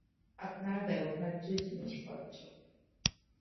আপনার ব্যবহার্য জিনিসপত্র।